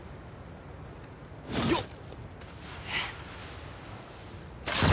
よっ！